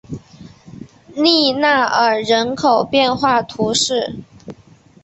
利纳尔人口变化图示